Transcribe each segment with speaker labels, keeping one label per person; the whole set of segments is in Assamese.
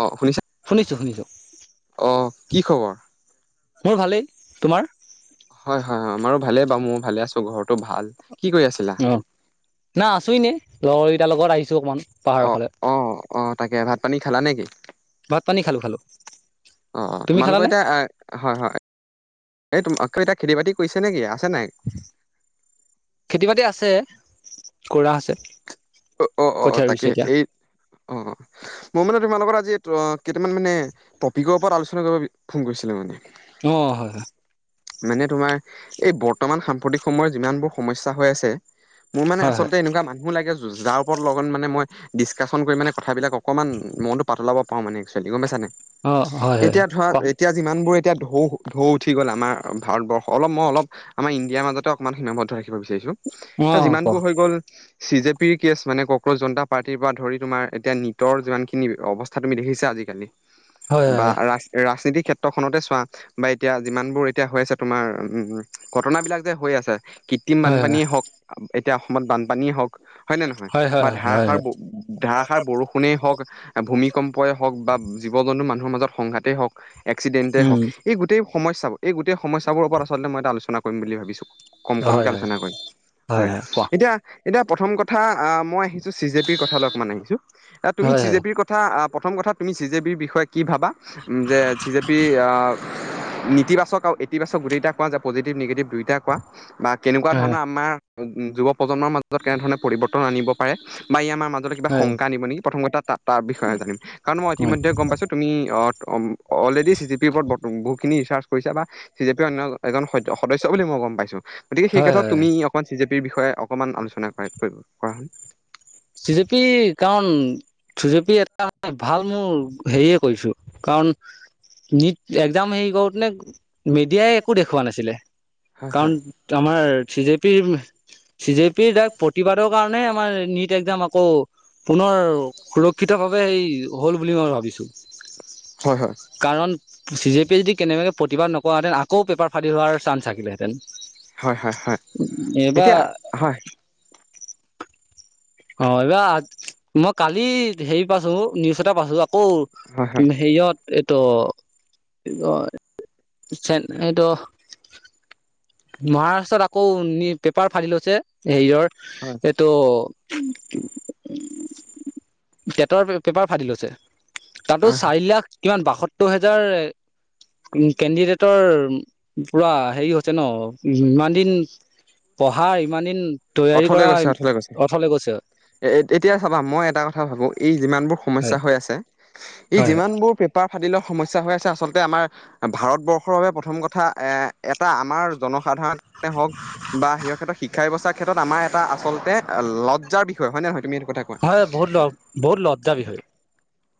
Speaker 1: অ শুনিছা
Speaker 2: শুনিছোঁ, শুনিছোঁ।
Speaker 1: অ কি খবৰ
Speaker 2: মোৰ ভালেই, তোমাৰ?
Speaker 1: হয়ঁ হয়ঁ আমাৰো ভালেই বাৰু মইও ভালে আছো ঘৰত।
Speaker 2: অঁ, না আছো এনেই, লগৰকেইটাৰ লগত আহিছো অকমান। পাহাৰৰ
Speaker 1: অ‌ঁ,
Speaker 2: ফালে
Speaker 1: অঁ, অঁ, তাকে ভাত- পানী খালা নেকি?
Speaker 2: ভাত পানী খালো খালো
Speaker 1: অঁ, অঁ,
Speaker 2: তুমি
Speaker 1: তোমালোকৰ
Speaker 2: খালানে
Speaker 1: এতিয়া আ হয়, হয়। এই তো, আকৌ এতিয়া খেতি-বাতি কৰিছে নেকি, আছে নাই?
Speaker 2: খেতি-বাতি আছে, কৰা আছে।
Speaker 1: অঁ, অঁ, অ‌ঁ, অঁ,
Speaker 2: কঠীয়া ৰুইছে
Speaker 1: তাকে।
Speaker 2: এতিয়া
Speaker 1: এই- অ
Speaker 2: [inaudible]
Speaker 1: মই মানে তোমাৰ লগত আজি কেইটামান মানে টপিকৰ ওপৰত আলোচনা কৰিব ফোন কৰিছিলো মানে।
Speaker 2: অঁ, হয়, হয়।
Speaker 1: মানে তোমাৰ এই বৰ্তমান সাম্প্ৰতিক সময়ৰ যিমানবোৰ সমস্যা হৈ আছে। মোৰ মানে
Speaker 2: হয় হয় হয়
Speaker 1: আচলতে মানুহ লাগে, যাৰ ওপৰত লগত মানে মই- ডিছকাশচন কৰি মানে কথাবিলাক অকমান মনটো পাতলাব পাওঁ মানে একচুৱেলি, গম পাইছা নাই।
Speaker 2: অ হয় হয়
Speaker 1: এতিয়া ধৰা,
Speaker 2: কম
Speaker 1: এতিয়া যিমানবোৰ- এতিয়া ঢৌ-ঢৌ উঠি গ'ল আমাৰ ভাৰতবৰ্ষ। অলপ মই অলপ- আমাৰ ইণ্ডিয়াৰ মাজতে অকনমান সীমাবদ্ধ ৰাখিব বিচাৰিছো।
Speaker 2: অ
Speaker 1: এতিয়া
Speaker 2: ক
Speaker 1: যিমানবোৰ হৈ গল, চি জে- পি কেছ, মানে কক্ৰজ জনতা পাৰ্টিৰ পৰা ধৰি তোমাৰ এতিয়া নিটৰ যিমানখিনি অৱস্থা তুমি দেখিছা আজিকালি-
Speaker 2: হয়
Speaker 1: বা,
Speaker 2: হয়
Speaker 1: ৰা -ৰাজনীতি ক্ষেত্ৰখনতে চোৱা। বা এতিয়া যিমানবোৰ এতিয়া হৈ আছে, তোমাৰ উম, ঘটনাবলাক যে হৈ আছে। কৃত্ৰিম
Speaker 2: হয়
Speaker 1: বানপানীয়ে হওঁক, এতিয়া অসমত বানপানীয়ে হওঁক। হয় নে নহয়? বা
Speaker 2: হয় হয় হয় হয়
Speaker 1: ধাৰষাৰ- ধাৰষাৰ বৰষু- ষুণে হওঁক, ভূমিকম্পই হওঁক বা জীৱ-জন্তু মানুহৰ মাজত সংঘাতেই হওঁক, - এক্সিডেণ্টেই
Speaker 2: উম
Speaker 1: হওঁক, এই গোটেই সমস্যাবোৰ এই গোটেই সমস্যাবোৰৰ ওপৰত আচলতে মই এটা আলোচনা কৰিম বুলি ভাবিছোঁ। কম কমকে
Speaker 2: হয় হয়
Speaker 1: আলোচনা কৰিম, হয়। এতিয়া, এতিয়া প্ৰথম কথা- কথা অঁ, মই আহিছো চি জে পিৰ কথা লৈ অকমান আহিছো। তুমি
Speaker 2: হয়
Speaker 1: চি
Speaker 2: হয়
Speaker 1: জে
Speaker 2: হয়
Speaker 1: পিৰ কথা- কথা প্ৰথম কথা তুমি চি জে পিৰ বিষয়ে কি ভাবা, যে চি জে পিৰ অঁ, - নিতিবাচক আৰু ইতিবাচক গোটেইটা কোৱা যে পজিটিভ, নিগেটিভ দুই- এতিয়া কোৱা বা কেনেকুৱা ধৰণৰ আমাৰ যুৱ প্ৰজন্মৰ মাজত কেনে ধৰণৰ- পৰিৱৰ্তন আনিব পাৰে বা ই আমাৰ মাজলৈ কিবা
Speaker 2: হয়
Speaker 1: শংকা নিব নেকি? প্ৰথম কথা- তা- তাৰ বিষয়ে জানিম। কাৰণ মই
Speaker 2: হয়
Speaker 1: ইতিমধ্যে গম পাইছোঁ তুমি- অলৰেডি চি চি পিৰ ওপৰত বহুতখিনি ৰিচাৰ্জ কৰিছা বা- চি জে পিৰ অন্য এজন স- সদস্য বুলি মই গম পাইছো। গতিকে সেই
Speaker 2: হয়
Speaker 1: ষেত্ৰত
Speaker 2: হয়
Speaker 1: তুমি- অকণমান চি জে পিৰ বিষয়ে অকণমান আলোচনা কৰা কৰিব কৰা হ'ল।
Speaker 2: চি জে পি কাৰণ- চি জি পি এটা ভাল মোৰ হেৰিয়ে কৰিছোঁ। কাৰণ- নিত এক্সাম হেৰি কৰোতে নে- মিডিয়াই একো দেখওৱা নাছিলে,
Speaker 1: হয়
Speaker 2: কাৰণ আমাৰ চি জে পিৰ- চি জে পিৰ তাত প্ৰতিবাদৰ কাৰণে আমাৰ নিট- এক্সাম আকৌ, পুনৰ সুৰক্ষিত ভাৱেই হ'ল বুলি মই ভাবিছোঁ।
Speaker 1: হয়, হয়।
Speaker 2: কাৰণ- চি জে পি যদি কেনেবাকে প্ৰতিবাদ নকৰাহেঁতেন, আকৌ পেপাৰ ফাদিল হোৱাৰ চাঞ্চ থাকিলেহেঁতেন।
Speaker 1: হয়, হয়, হয়।
Speaker 2: এইবাৰ
Speaker 1: এতিয়া, হয়।
Speaker 2: অঁ, এইবাৰ মই কালি হেৰি পাইছো, নিউজ এটা পাইছো
Speaker 1: হয় হয়
Speaker 2: আকৌ- হেৰি অত- এইটো কি কয়? [unintelligible] মহাৰাষ্ট্ৰত, আকৌ নি, পেপাৰ ফাদিল হৈছে, হেৰিয়ৰ
Speaker 1: হয়।
Speaker 2: এইটো টেটৰ, পেপাৰ ফাদিল লৈছে, তাতো
Speaker 1: হয় হয়
Speaker 2: চাৰি লাখ কিমান বাসত্তৰ হেজাৰ উম, কেণ্ডিডেটৰ পোৰা হেৰি হৈছে ন', ইমান দিন পঢ়া, ইমান দিন তৈয়াৰী
Speaker 1: অথলে
Speaker 2: কৰা
Speaker 1: গৈছে অথলে গৈছে
Speaker 2: অথলে গৈছে
Speaker 1: এ', এতিয়া চাবা, মই এটা কথা ভাবো, এই যিমানবোৰ
Speaker 2: হয়
Speaker 1: সমস্যা হৈ আছে, এই
Speaker 2: হয়
Speaker 1: যিমানবোৰ পেপাৰ ফাদিলৰ সমস্যা হৈ আছে, আচলতে আমাৰ ভাৰতবৰ্ষৰ বাবে প্ৰথম কথা, এ', এটা আমাৰ জনসাধাৰণে হওক বা হেৰিয়ৰ ক্ষেত্ৰত শিক শিক্ষা ব্যৱস্থাৰ ক্ষেত্ৰত, আমাৰ এটা আচলতে লজ্জাৰ বিষয়, হয় নে নহয়? তুমি এইটো কথা কোৱা
Speaker 2: হয়, বহুত ল, বহুত লজ্জাৰ বিষয়।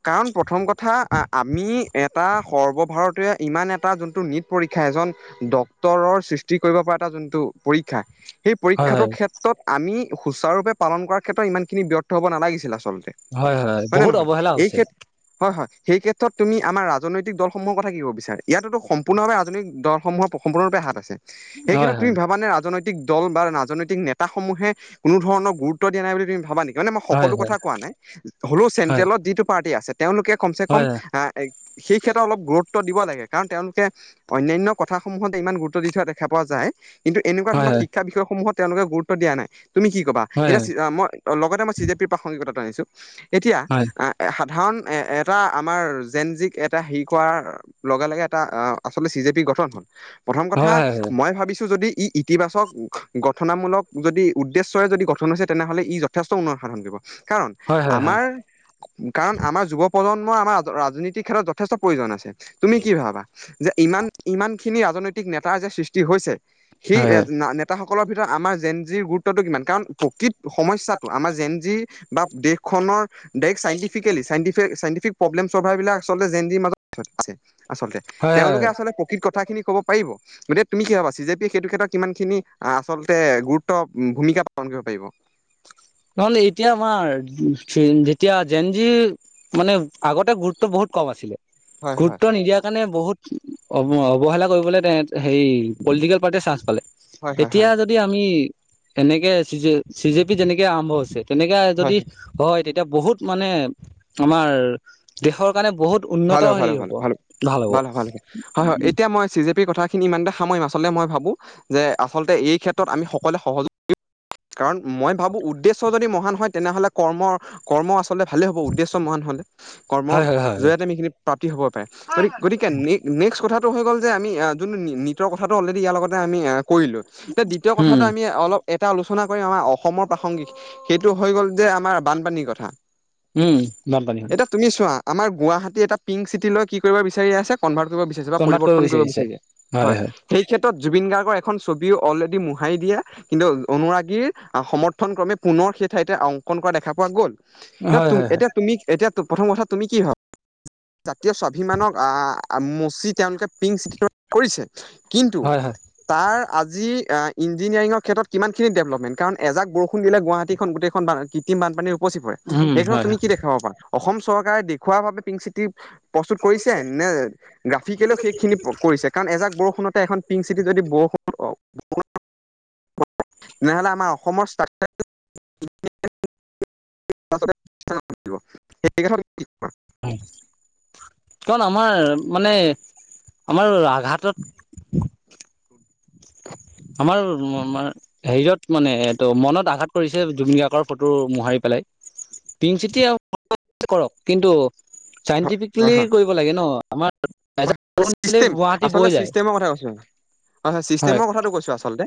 Speaker 1: কাৰণ, প্ৰথম কথা, আমি এটা সৰ্বভাৰতীয় ইমান এটা যোনটো নিট পৰীক্ষা, এজন ডক্তৰৰ সৃষ্টি কৰিব পৰা এটা যোনটো পৰীক্ষা, সেই
Speaker 2: হয় হয়
Speaker 1: পৰীক্ষাটোৰ ক্ষেত তত, আমি সুচাৰুৰূপে পালন কৰাৰ ক্ষেত্ৰত, ইমান খিনি ব্যৰ্থ হ'ব নালাগিছিল, আচলতে। হয় নে
Speaker 2: বহুত
Speaker 1: নহয়?
Speaker 2: অৱহেলা
Speaker 1: এই
Speaker 2: হৈছে
Speaker 1: ক্ষেত হয় হয়, সেই ক্ষেত্ৰত তুমি আমাৰ ৰাজনৈতিক দলসমূহৰ কথা কি কব বিচাৰা? ইয়াতেটো সম সম্পূৰ্ণ ভাবে ৰাজনৈতিক দলসমূহৰ সম্পূৰ্ণ ৰূপে হাত আছে,
Speaker 2: হয়
Speaker 1: এইক্ষেত্ৰত তুমি
Speaker 2: হয়
Speaker 1: ভাব মানে ৰাজনৈতিক দল বা ৰাজনৈতিক নেতাসমূহে কোনোধৰণৰ গুৰুত্ব দিয়া নাই বুলি তমি ভাবা নেকি? মানে মই
Speaker 2: হয়
Speaker 1: সকলো কথা কোৱা নাই, হ'লেও
Speaker 2: হয়
Speaker 1: চেন্ট্ৰেলত যিটো পাৰ্টি আছে তেওঁলোকে কমচে কম,
Speaker 2: হয় হয়
Speaker 1: আ, এ, সেই ক্ষেত্ৰত অলপ গুৰুত্ব দিব লাগে। কাৰণ, তেওঁলোকে অন্যান্য কথাসমূহত, ইমান গুৰুত্ব দি থকা দেখা পোৱা যায়। কিন্তু এনেকুৱা
Speaker 2: হয়
Speaker 1: ধৰণৰ
Speaker 2: হয়
Speaker 1: শিক্ষা বিষয়সমূহত তেওঁলোকে গুৰুত্ব দিয়া নাই, তুমি কি ক'বা?
Speaker 2: হয়
Speaker 1: এতিয়া ছিয়া মই লগতে, মই চি জে পি প্ৰসংগিকতা আনিছোঁ, এতিয়া
Speaker 2: হয়
Speaker 1: আ সাধাৰণ, এ, এটা আমাৰ জেন জিক এটা, হেৰি কৰা লগে লগে এটা আহ, আচলতে চি জে পি গঠন হল, প্ৰথম
Speaker 2: হয় হয়
Speaker 1: কথা
Speaker 2: হয়
Speaker 1: মই ভাবিছো, যদি ই, ইতিবাচক, গঠনামূলক, যদি উদ্দেশ্যৰে যদি গঠন হৈছে, তেনেহ'লে ই যথেষ্ট উন্নয়ন সাধন কৰিব। কাৰণ
Speaker 2: হয় হয়
Speaker 1: আমাৰ কাৰণ, আমাৰ যুৱ প্ৰজন্মৰ আমাৰ ৰাজ, ৰাজনৈতিক ক্ষেত্ৰত যথেষ্ট প্ৰয়োজন আছে। তুমি কি ভাবা? যে ইমান, ইমানখিনি ৰাজনৈতিক নেতা যে সৃষ্টি হৈছে সেই
Speaker 2: হয়
Speaker 1: নেতাসকলৰ ভিতৰত, আমাৰ জেন জিৰ গোট তটো কিমান? কাৰণ, প্ৰকৃত সমস্যাটো আমাৰ জেন জি বা দেশখনৰ দেশ চাইন্তিফিকেলী চাইন্তি চাইন্তিফিক প্ৰব্লেমচ ভাৰ বিলাক আচলতে জেন জিৰ মাজত আছে আচলতে, তেওঁলোকে
Speaker 2: হয়
Speaker 1: আছলে প্ৰকৃত ক কথাখিনি ক'ব পাৰিব, গতিকে তুমি কি ভাবা? চি জে পি সেইটো ক্ষেত্ৰত, কিমানখিনি আচলতে গুৰুত্ব ভূমিকা পালন কৰিব পাৰিব?
Speaker 2: নহলে এতিয়া আমাৰ, যে, যেতিয়া জেন জি মানে, আগতে গুৰুত্ব বহুত কম আছিলে।
Speaker 1: হয় হয়
Speaker 2: গুৰুত্ব নিদিয়াৰ কাৰণে বহুত, অ', অৱহেলা কৰিবলৈ তেহেত হেৰি পলিটিকেল পাৰ্টিয়ে চাঞ্চ পালে,
Speaker 1: হয়
Speaker 2: এতিয়া
Speaker 1: হয়
Speaker 2: যদি যদি আমি, এনেকে C J C J P যেনেকে আৰম্ভ হৈছে। তেনেকে যদি হয়, তেতিয়া বহুত মানে আমাৰ দেশৰ কাৰণে বহুত
Speaker 1: ভাল
Speaker 2: উন্নত
Speaker 1: হব, ভাল
Speaker 2: হেৰি
Speaker 1: হব, ভাল হব ভাল হব ভাল হব, হয়, হয়, এতিয়া মই চি জে পিৰ কথা খিনি ইমানতে সামৰিম, আচলতে মই ভাবো যে, আচলতে এই ক্ষেত্ৰত আমি সকলোৱ সহযোগ কাৰণ মই ভাবো উদ্দেশ্য যদি মহান হয় তেনেহলে কৰ্মৰ, কৰ্ম আচলতে ভালে হ'ব, উদ্দেশ্য মহান হ'লে। কৰ্মৰ
Speaker 2: হয় হয় হয় হয়
Speaker 1: জৰিয়তে আমি এইখিনি প্ৰাপ্তি হ'ব পাৰে, গতিকে, গতিক নেক্সট কথাটো হৈ গ'ল যে, আমি যোনটো নীটৰ কথাটো অলৰেডি ইয়াৰ লগতে আমি কৰিলোঁ। এতিয়া, দ্বিতীয়
Speaker 2: উম
Speaker 1: কথাটো আমি অলপ এটা আলোচনা কৰিম। আমাৰ অসমৰ প্ৰাসংগিক সেইটো হৈ গ'ল যে, আমাৰ বানপানীৰ কথা।
Speaker 2: উম্, বানপানী।
Speaker 1: এতিয়া তুমি চোৱা, আমাৰ গুৱাহাটী এটা পিংক চিটি লৈ, কি কৰিব বিচাৰি আছে। কনভাৰ্ট কৰিব বিচাৰিছে বা পৰিৱৰ্তন কৰিব বিচাৰিছে, হয়। সেইক্ষেত্ৰত, জুবিন গাৰ্গৰ এখন ছবিও অলৰেডি মোহাৰি দিয়ে। কিন্তু অনুৰাগীৰ সমৰ্থন ক্ৰমে, পুনৰ সেই ঠাইতে অংকন কৰা দেখা পোৱা গ'ল।
Speaker 2: হয় হয় হয়
Speaker 1: এতিয়া তুমি, এতিয়া প্ৰথম কথা তুমি কি হয়? জাতীয় স্বাভিমানক অ', মচি তেওঁলোকে পিংক চিটি কৰিছে। কিন্তু
Speaker 2: হয় হয়
Speaker 1: তাৰ আজি ইঞ্জিনিয়াৰিঙৰ ক্ষেত্ৰত কিমান খিনি ডেভেলপমেণ্ট? কাৰণ এজাক বৰষুণ দিলে গুৱাহাটীখন গোটেইখন কৃত্ৰিম বানপানীৰে উপচি পৰে।
Speaker 2: উম
Speaker 1: সেইখনত
Speaker 2: হয় হয়
Speaker 1: তুমি কি দেখুৱাব পাৰা। অসম চৰকাৰে দেখুওৱা বাবে, পিংক চিটি প্ৰস্তুত কৰিছে, নে গ্ৰাফিকেলেও সেইখিনি প্ৰস্তুত কৰিছে? কাৰণ, এজাক বৰষুণতে এখন যদি পিংক চিটিত যদি তেনেহ'লে, আমাৰ অসমৰ ষ্ট্ৰাকচাৰ সেইখন
Speaker 2: আমাৰ মানে, আমাৰ আঘাটত আমাৰ হেৰিয়ত মানে এইটো, মনত আঘাত কৰিছে, জুবিন গাৰ্গৰ ফটো মোহাৰি পেলাই। পিংক চিটি কৰক, কিন্তু
Speaker 1: হয়
Speaker 2: চাইণ্টিফিকেলি
Speaker 1: হয় হয়
Speaker 2: কৰিব লাগে ন'। আমাৰ
Speaker 1: চিষ্টেম
Speaker 2: গুৱাহাটী বৈ
Speaker 1: আচলতে
Speaker 2: যায়
Speaker 1: চিষ্টেমৰ কথাটো কৈছোঁ। হয় হয়, চিষ্টেমৰ কথাটো কৈছোঁ আচলতে।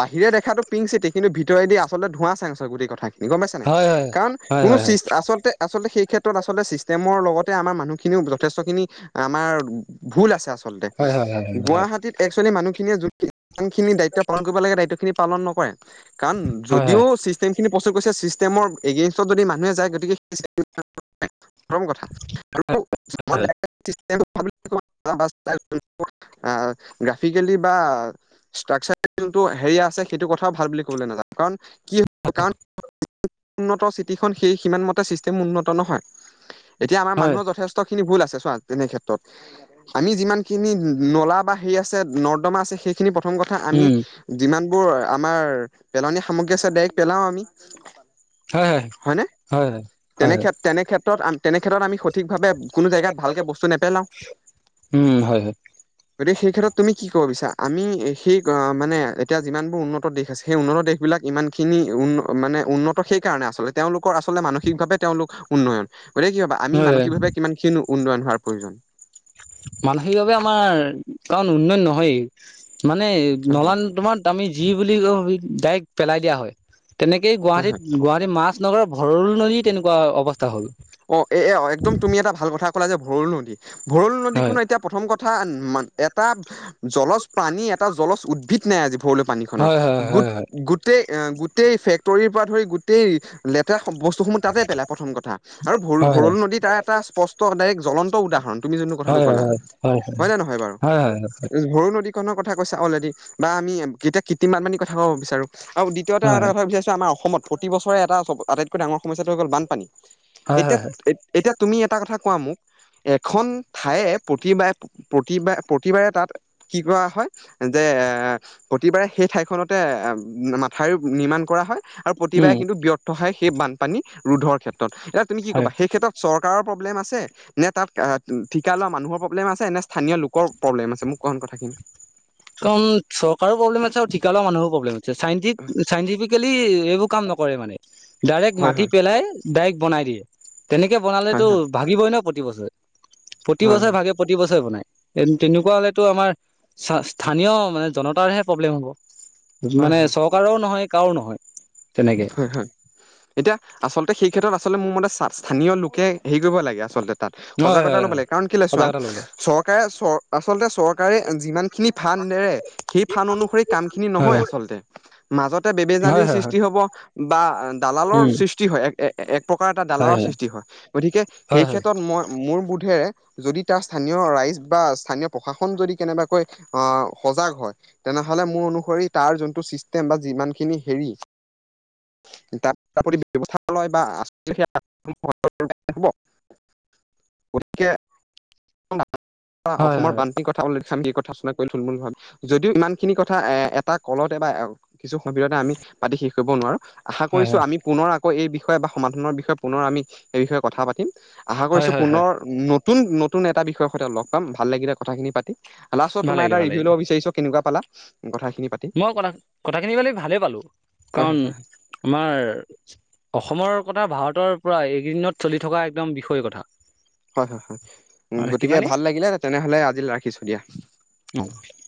Speaker 1: বাহিৰে দেখাটো পিংক চিটি, কিন্তু ভিতৰেদি আচলতে ধোঁৱা চাং হে গোটেই কথাখিনি। গম পাইছাঁ নাই,
Speaker 2: হয় হয়
Speaker 1: কাৰণ
Speaker 2: হয়
Speaker 1: কোনো
Speaker 2: হয়
Speaker 1: চিষ্টেম আচলতে আচলতে, সেইক্ষেত্ৰত আচলতে, ছিষ্টেমৰ লগতে মানুহখিনিও যথেষ্টখিনি আমাৰ ভুল আছে আচলতে,
Speaker 2: হয় হয় হয়
Speaker 1: গুৱাহাটীত এক্সোৱেলি, মানুহখিনিয়ে যোন খিনি দায়িত্ব পালন কৰিব লাগে। দায়িত্ব খিনি পালন নকৰে। কাৰণ,
Speaker 2: হয়
Speaker 1: যদিও চিষ্টেম খিনি প্ৰস্তুত কৰিছে। চিষ্টেমৰ এগেইনষ্টত যদি মানুহে যায়। গতিকে প্ৰথম কথা, আৰু চিষ্টেম অ', গ্ৰাফিকেলি বা ষ্ট্ৰাকচাৰ, যোনটো হেৰি আছে। সেইটো কথাও ভাল বুলি ক'বলৈ নাযাওঁ। কাৰণ কি কাৰ উন্নত চিটিখন, সেই সিমান মতে ছিষ্টেম উন্নত নহয়। এতিয়া আমাৰ
Speaker 2: হয় হয় হয়
Speaker 1: মানুহৰ যথেষ্ট খিনি ভুল আছে চোৱা, তেনেক্ষত্ৰত আমি যিমানখিনি নলা বা হেৰি আছে, নৰ্দমা আছে, সেইখিনি প্ৰথম কথা। আমি
Speaker 2: উম
Speaker 1: যিমানবোৰ আমাৰ পেলনীয়া সামগ্ৰী আছে, ডাইৰেক্ট পেলাও আমি।
Speaker 2: তাকেহে, হয়। হয় হয় হয়
Speaker 1: তেনেক্ষেত্ৰত, তেনে, তেনেক্ষেত্ৰত আমি সঠিকভাবে কোনো জাগাত ভালকৈ বস্তু নেপেলাও।
Speaker 2: উম্, হয় হয়।
Speaker 1: গতিকে, সেই ক্ষেত্ৰত তুমি কি ক'ব বিছৰা? আমি সেই মানে এতিয়া যিমান বোৰ উন্নত দেশ আছিল। সেই উন্নত দেশবিলাক, ইমানখিনি উন্নয়ন মানে উন্নত। সেইকাৰণে আচলতে তেওঁলোকৰ আচলতে, মানসিকভাৱে তেওঁলোক উন্নয়ন। গতিকে, কি ভাবা? আমি মানসিকভাৱে কিমান কিনো উন্নয়ন হোৱাৰ প্ৰয়োজন?
Speaker 2: মানসিকভাৱে আমাৰ কাৰণ উন্নয়ন নহয়েই। মানে
Speaker 1: হয় হয়
Speaker 2: নলান তোমাক তাত আমি যি বুলি কও ডাইৰেক্ট পেলাই দিয়া হয়। তেনেকৈ
Speaker 1: হয় হয়।
Speaker 2: গুৱাহাটী গুৱাহাটীত মাছ লগতে ভৰলু নদী তেনেকুৱা অৱস্থা হ'ল
Speaker 1: অ এ-এ একদম তুমি এটা ভাল কথা ক'লা যে ভৰলু নদী। ভৰলু
Speaker 2: হয়।
Speaker 1: নদীখন এতিয়া প্ৰথম কথা এটা জলজ প্ৰাণী এটা জলজ উদ্ভিদ নাই আজি ভৰলু পানীখনৰ
Speaker 2: হয় হয় হয়
Speaker 1: গোট- গোটেই গোটেই ফেক্টৰীৰ পৰা ধৰি গোটেই লেতেৰা বস্তুসমূহ তাতে পেলাই প্ৰথম কথা। আৰু ভ-
Speaker 2: হয় হয়
Speaker 1: ভৰলু নদী তাৰ এটা স্পষ্ট ডাইৰেক্ট জ্বলন্ত উদাহৰণ তুমি যোনটো কথাটো
Speaker 2: হয়
Speaker 1: কলা
Speaker 2: হয় হয় হয়।
Speaker 1: ভৰলু নদীখনৰ কথা কৈছা অলৰেডি বা আমি এতিয়া কৃত্ৰিম বান পানীৰ কথা কব বিচাৰো। আৰু দ্বিতীয়তে
Speaker 2: হয়
Speaker 1: আৰু এটা কথা ক'ব বিচাৰিছো, আমাৰ অসমত প্ৰতিবছৰে এটা আটাইতকৈ ডাঙৰ সমস্যটো হৈ গ'ল বানপানী।
Speaker 2: হয়
Speaker 1: এতিয়া
Speaker 2: হয় হয়
Speaker 1: এতিয়া তুমি এটা কথা কোৱা মোক এখন ঠায়ে প্ৰতিবাৰে প্ৰতিবা প্ৰতিবাৰে তাত কি কৰা হয় যে, প্ৰতিবাৰে সেই ঠাইখনতে মাথাউৰি নিৰ্মাণ কৰা হয় আৰু প্ৰতিবাৰে
Speaker 2: উম
Speaker 1: কিন্তু ব্যৰ্থ হয় সেই বানপানী ৰোধৰ ক্ষেত্ৰত। এতিয়া তুমি কি
Speaker 2: হয়
Speaker 1: কবা সেই ক্ষেত্ৰত চৰকাৰৰ প্ৰব্লেম আছে নে তাত ঠিকা লোৱা মানুহৰ প্ৰব্লেম আছে, নে স্থানীয় লোকৰ প্ৰব্লেম আছে মোক কোৱা চোন কথাখিনি।
Speaker 2: কাৰণ চৰকাৰৰো প্ৰব্লেম আছে আৰু ঠিকা লোৱা মানুহৰো প্ৰব্লেম আছে, চাইণ্টি চাইন্টিফিকেলি এইবোৰ কাম নকৰে মানে। ডাইৰেক্ট
Speaker 1: হয়
Speaker 2: মাটি
Speaker 1: হয়
Speaker 2: পেলাই ডাইৰেক্ট বনাই দিয়ে। তেনেকে
Speaker 1: হয়
Speaker 2: বনালেতো
Speaker 1: হয়
Speaker 2: ভাগিবই ন প্ৰতি বছৰে। প্ৰতি
Speaker 1: হয় হয়
Speaker 2: বছৰে ভাগে প্ৰতিবছৰে বনাই তেনেকুৱা হলেতো আমাৰ চা স্থানীয় জনতাৰহে প্ৰব্লেম হ'ব।
Speaker 1: হয় হয়
Speaker 2: মানে চৰকাৰৰও কাৰো নহয়। তেনেকে
Speaker 1: হয় হয়। এতিয়া আচলতে সেই ক্ষেত্ৰত আচলতে মোৰ মতে স্থানীয় লোকে হেৰি কৰিব লাগে আচলতে তাত
Speaker 2: হয়
Speaker 1: সজাগতা
Speaker 2: হয়
Speaker 1: অলপ
Speaker 2: হয়
Speaker 1: লাগে কাৰণ কেলে
Speaker 2: সঁচা
Speaker 1: চোৱা
Speaker 2: কথা লবলে
Speaker 1: চৰকাৰে চ আচলতে চৰকাৰে যিমান খিনি ফান্ড এৰে সেই ফান্দ অনুসৰি কাম খিনি
Speaker 2: হয়
Speaker 1: নহয় আচলতে মাজতে
Speaker 2: হয়
Speaker 1: বেমেজালিৰ
Speaker 2: হয়
Speaker 1: সৃষ্টি সৃষ্টি
Speaker 2: হয়
Speaker 1: হ'ব বা দালালৰ
Speaker 2: উম
Speaker 1: সৃষ্টি হয় এক এ এক প্ৰকাৰ এটা দালালৰ সৃষ্টি হয় গতিকে
Speaker 2: হয়
Speaker 1: সেই
Speaker 2: হয়
Speaker 1: ক্ষেত্ৰত মই মোৰ বোধেৰে যদি তাৰ স্থানীয় ৰাইজ বা স্থানীয় প্ৰশাসন যদি কেনেবাকৈ আহ সজাগ হয় তেনেহ'লে মোৰ অনুসৰি তাৰ যোনটো ছিষ্টেম বা যিমান খিনি হেৰি তাত তাৰপতি ব্যৱস্থা লয় বা [unintelligible] হ'ব গতিকে [unintelligible]
Speaker 2: হয় হয়
Speaker 1: অসমৰ বান কথাও আমি কথা শুনা কৰি থুলমূল ভাৱে যদিও ইমান খিনি কথা এ এটা কলতে বা কিছু অসুবিধা আমি পাতি শেষ কৰিব নোৱাৰো আশা
Speaker 2: হয়
Speaker 1: কৰিছো আমি পুনৰ আকৌ এই বিষয়ে বা সমাধানৰ বিষয়ে পুনৰ আমি সেই বিষয়ে কথা পাতিম। আশা
Speaker 2: হয় হয়
Speaker 1: কৰিছো
Speaker 2: হয় হয়
Speaker 1: পুনৰ নতুন নতুন এটা বিষয়ৰ সৈতে লগ পাম ভাল লাগিলে কথাখিনি পাতি। লাষ্টত
Speaker 2: ভাল
Speaker 1: তোমাৰ
Speaker 2: লাগিলে
Speaker 1: এটা
Speaker 2: ভাল
Speaker 1: ৰিভিউ
Speaker 2: লাগিলে
Speaker 1: লব বিচাৰিছো। কেনেকুৱা পালা কথাখিনি পাতি
Speaker 2: মই কথা কথাখিনি পালি ভালেই পালো
Speaker 1: হয়
Speaker 2: কাৰণ
Speaker 1: হয় হয়।
Speaker 2: আমাৰ অসমৰ কথা, ভাৰতৰ পৰা এইকেইদিনত চলি থকা একদম বিষয় কথা।
Speaker 1: হয় হয় হয় উম গতিকে
Speaker 2: কিমানে
Speaker 1: ভাল লাগিলে তেনেহলে আজিলৈ ৰাখিছো দিয়া।
Speaker 2: [unintelligible]